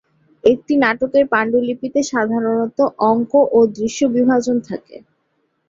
একটি নাটকের পাণ্ডুলিপিতে সাধারণত অঙ্ক ও দৃশ্য বিভাজন থাকে।